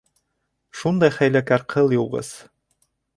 Шундай хәйләкәр ҡылйыуғыс.